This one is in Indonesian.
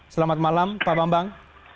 selamat malam pak bambang